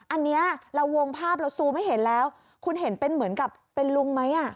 อันนี้เราวงภาพเราซูมให้เห็นแล้วคุณเห็นเป็นเหมือนกับเป็นลุงไหมอ่ะ